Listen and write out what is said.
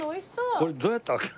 これどうやって開ける？